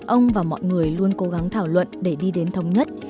ông và mọi người luôn cố gắng thảo luận để đi đến thống nhất